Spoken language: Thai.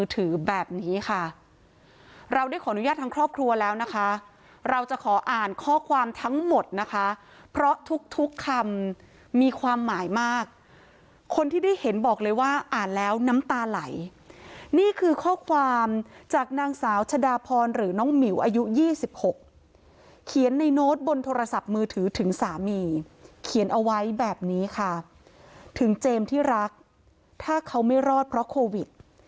ถือแบบนี้ค่ะเราได้ขออนุญาตทางครอบครัวแล้วนะคะเราจะขออานข้อความทั้งหมดนะคะเพราะทุกทุกคำมีความหมายมากคนที่ได้เห็นบอกเลยว่าอ่านแล้วน้ำตาไหลนี่คือข้อความจากนางสาวชะดาพรหรือน้องมิวอายุ๒๖เขียนในโน้ทบนโทรศัพท์มือถือถึงสามี